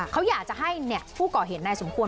เขาอยากจะให้ผู้ก่อเหตุนายสมควร